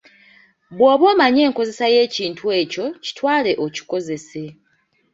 "Bwoba omanyi enkozesa y'ekintu ekyo, kitwale okikozese."